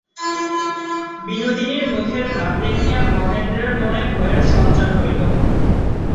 বিনোদিনীর মুখের ভাব দেখিয়া মহেন্দ্রের মনে ভয়ের সঞ্চার হইল।